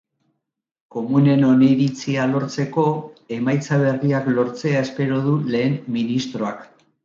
Komunen oniritzia lortzeko emaitza berriak lortzea espero du lehen ministroak.